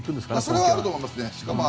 それはあると思いますね。